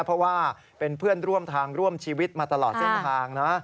เพราะว่าเป็นเพื่อนร่วมทางร่วมชีวิตมาตลอดเส้นทางนะ